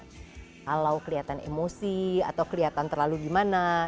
kalau kelihatan emosi atau kelihatan terlalu gimana